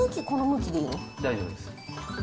大丈夫です。